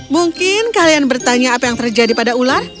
mungkin kalian bertanya apa yang terjadi pada ular